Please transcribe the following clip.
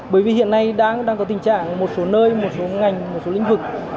bởi vì hiện nay đang có tình trạng một số nơi một số ngành một số lĩnh vực